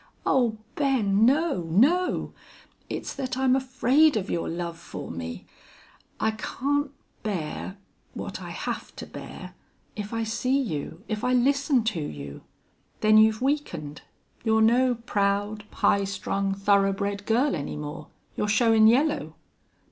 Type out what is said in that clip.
"Oh, Ben! No! No! It's that I'm afraid of your love for me! I can't bear what I have to bear if I see you, if I listen to you." "Then you've weakened? You're no proud, high strung, thoroughbred girl any more? You're showin' yellow?"